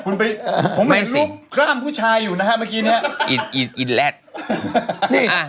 นี่โอ้นี่สวยจริงว่ะอันนี้สวยเลยว่ะ